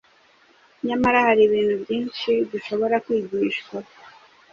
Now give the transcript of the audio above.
Nyamara hari ibintu byinshi dushobora kwigishwa